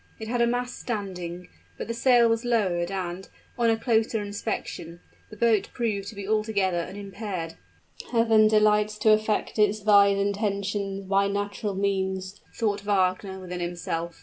It had a mast standing, but the sail was lowered and, on a closer inspection, the boat proved to be altogether unimpaired. "Heaven delights to effect its wise intentions by natural means," thought Wagner within himself.